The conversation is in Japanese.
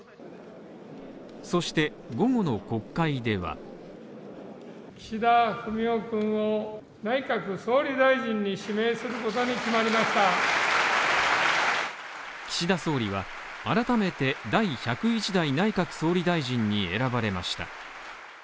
そして午後の国会では岸田総理は、改めて第１０１代内閣総理大臣に選ばれました。